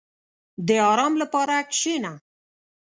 • د آرام لپاره کښېنه.